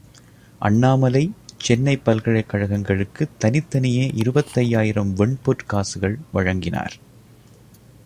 அண்ணாமலை, சென்னைப் பல்கலைக் கழகங்களுக்குத் தனித்தனியே இருபத்தையாயிரம் வெண்பொற்காசுகள் வழங்கினார்.